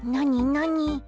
なに？